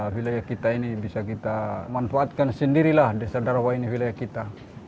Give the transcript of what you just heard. wilayah kita ini bisa kita manfaatkan sendirilah desa darawa ini wilayah kita